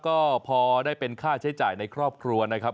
ก็พอได้เป็นค่าใช้จ่ายในครอบครัวนะครับ